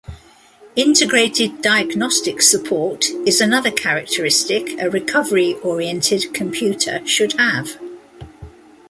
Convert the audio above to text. Integrated diagnostic support is another characteristic a recovery-oriented computer should have.